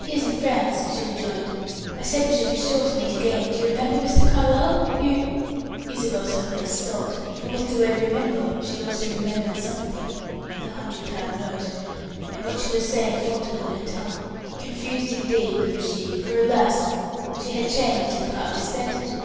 "He is in France," she rejoined. "I said we should be sure to meet again; do you remember, Mr. Carlyle? You " Isabel suddenly stopped; for with the word "remember," she also remembered something the hundred pound note and what she was saying faltered on her tongue. Confused, indeed, grew she: for, alas! she had changed and partly spent it.